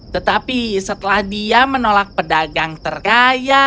tetapi setelah dia menolak pedagang terkaya